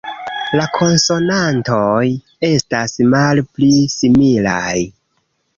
La konsonantoj estas malpli similaj